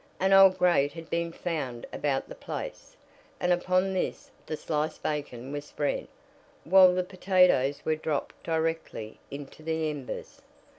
An old grate had been found about the place, and upon this the sliced bacon was spread, while the potatoes were dropped directly into the embers.